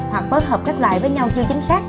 hoặc bất hợp các loại với nhau chưa chính xác